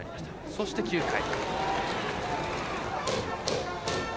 そして９回。